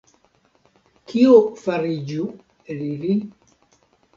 Kio fariĝu el ili?